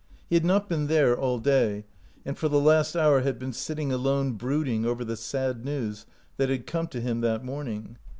He had not been there all day, and for the last hour had been sitting alone brooding over the sad news that had come to him that morning.